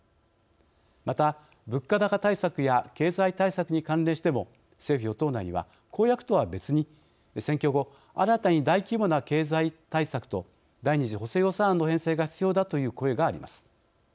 また、物価高対策や経済対策に関連しても政府・与党内には、公約とは別に選挙後、新たに大規模な経済対策と第二次補正予算案の編成が必要だという声があります。